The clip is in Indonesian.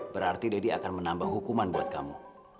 berarti deddy akan menambah hukuman buat kamu